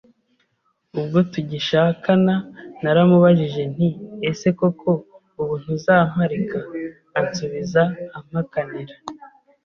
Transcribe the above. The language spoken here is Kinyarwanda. Ubwo tugishakana naramubajije nti :"Ese koko ubu ntuzamparika? ansubiza ampakanira